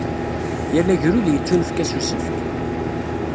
Yal agrud yettunefk-as usefk.